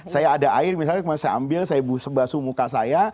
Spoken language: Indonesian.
saya ada air misalnya saya ambil saya basu muka saya